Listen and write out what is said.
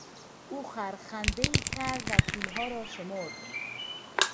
او خرخندهای کرد و پولها را شمرد.